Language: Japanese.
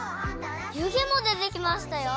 ゆげもでてきましたよ！